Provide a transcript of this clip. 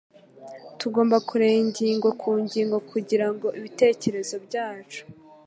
Tugomba kureba ingingo ku ngingo, kugira ngo ibitekerezo byacu